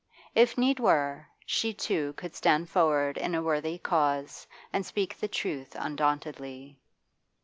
If need were, she too could stand forward in a worthy cause and speak the truth undauntedly.